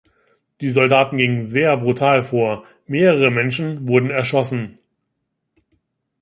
Die Soldaten gingen sehr brutal vor, mehrere Menschen wurden erschossen.